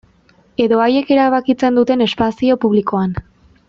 Edo haiek erabakitzen duten espazio publikoan.